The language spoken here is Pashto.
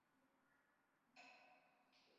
مثل په قران شریف کې هم څو ځایه راغلی دی